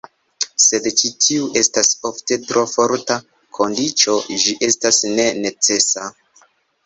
Sed ĉi tiu estas ofte tro forta kondiĉo, ĝi estas ne "necesa".